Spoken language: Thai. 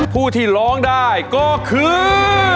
ผู้ที่ร้องได้ก็คือ